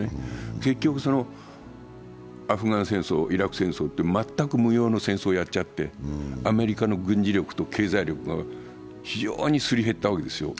結局、アフガン戦争、イラク戦争っていう全く無用の戦争をやっちゃって、アメリカの軍事力と経済力が非常にすり減ったわけでしょう。